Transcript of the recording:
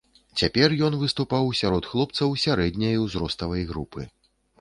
Цяпер ён выступаў сярод хлопцаў сярэдняй узроставай групы.